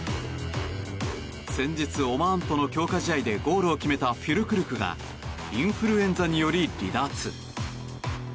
先日、オマーンとの強化試合でゴールを決めたフュルクルクがインフルエンザにより離脱。